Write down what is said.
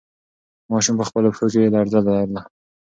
ماشوم په خپلو پښو کې لړزه لرله.